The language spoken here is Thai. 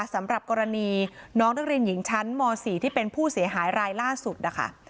สำหรับกรณีน้องนักเรียนหญิงชั้นม๔ที่เป็นผู้เสียหายรายล่าสุดนะคะ